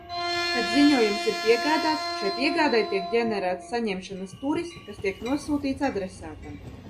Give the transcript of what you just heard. Kad ziņojums ir piegādāts, šai piegādei tiek ģenerēts saņemšanas turis, kas tiek nosūtīts adresātam.